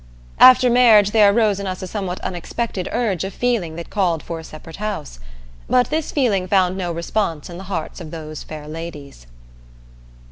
After marriage there arose in us a somewhat unexpected urge of feeling that called for a separate house; but this feeling found no response in the hearts of those fair ladies.